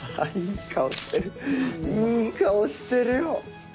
いい顔してるよ。